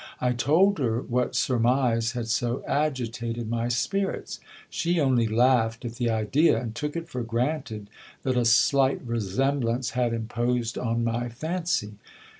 I told her what surmise had so agitated my spirits. She only laughed at the idea, and took it for granted that a slight resemblance had imposed on my fancy.